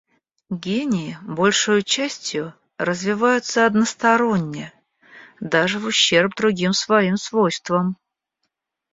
Гении большею частью развиваются односторонне, даже в ущерб другим своим свойствам.